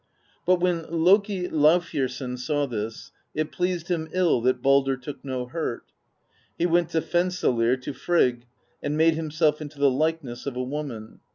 "But when Loki Laufeyarson saw this, it pleased him ill that Baldr took no hurt. He went to Fensalir to Frigg, and made himself into the likeness of a woman.